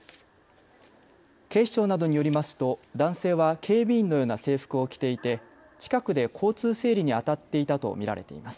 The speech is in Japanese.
警視庁などによりますと男性は警備員のような制服を着ていて近くで交通整理に当たっていたと見られています。